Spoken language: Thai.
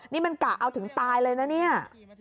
นี่มันกะเอาถึงตายเลยนะเนี่ย